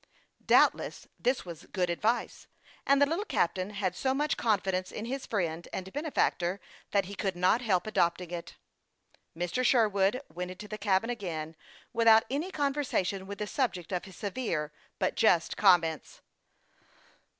Doubtless this was good advice, and the little cap tain had so much confidence in his friend and bene factor, that he could not help adopting it. Mr. 272 HASTE AND WASTE, OR Sherwood went into the cabin again, without any conversation with the subject of his severe but just comments.